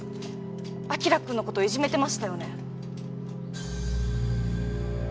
晶くんの事いじめてましたよね。